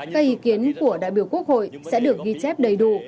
các ý kiến của đại biểu quốc hội sẽ được ghi chép đầy đủ